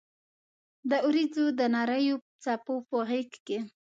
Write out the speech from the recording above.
د اوریځو د نریو څپو غېږ کې